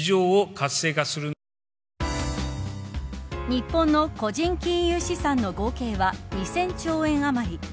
日本の個人金融資産の合計は２０００兆円余り。